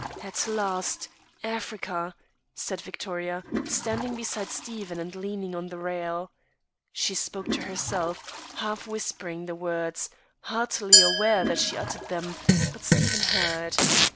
"At last, Africa!" said Victoria, standing beside Stephen, and leaning on the rail. She spoke to herself, half whispering the words, hardly aware that she uttered them, but Stephen heard.